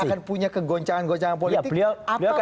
akan punya kegoncangan goncangan politik